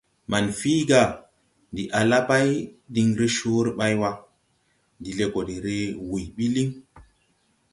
Manfii: « Ndi ala bay diŋ re coore ɓay wa, ndi le go de re wuy ɓi liŋ. ».